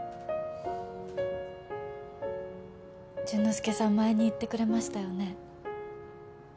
潤之介さん前に言ってくれましたよね